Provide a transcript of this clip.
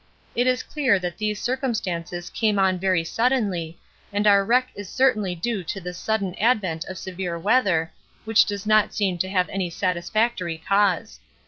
It is clear that these circumstances come on very suddenly, and our wreck is certainly due to this sudden advent of severe weather, which does not seem to have any satisfactory cause.